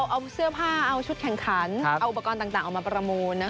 เอาเสื้อผ้าเอาชุดแข่งขันเอาอุปกรณ์ต่างออกมาประมูล